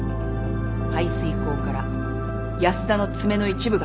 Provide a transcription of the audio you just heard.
排水溝から安田の爪の一部が発見された。